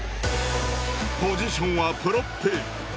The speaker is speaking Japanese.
ポジションはプロップ。